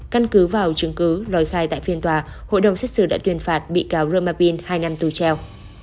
căn cứ vào chứng cứ lòi khai tại phiên tòa hội đồng xét xử đã tuyên phạt bị cáo roma pin hai năm tù treo